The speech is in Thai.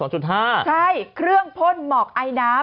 ใช่เครื่องพ่นหมอกไอน้ำ